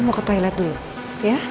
mau ke toilet dulu ya